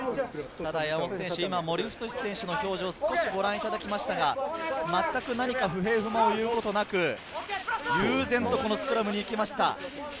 森太志選手の表情をご覧いただきましたが、不平不満を言うことなく、悠然とスクラムに行きました。